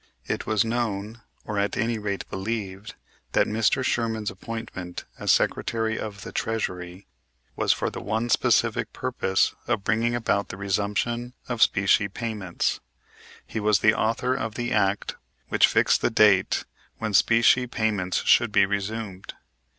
It was known, or at any rate believed, that Mr. Sherman's appointment as Secretary of the Treasury was for the one specific purpose of bringing about the resumption of specie payments. He was the author of the act which fixed the date when specie payments should be resumed.